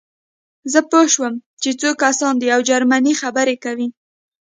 زه پوه شوم چې څو کسان دي او جرمني خبرې کوي